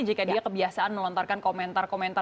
jika dia kebiasaan melontarkan komentar komentar